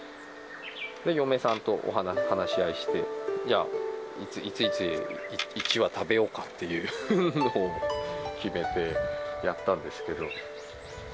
嫁さんと話し合いして、じゃあ、いついつ、１羽食べようかっていうほうを決めてやったんですけど。